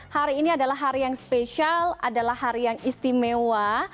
hari ini adalah hari yang spesial adalah hari yang istimewa